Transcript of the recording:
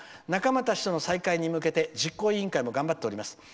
仲間たちとの再会に向けて実行委員会も頑張っております。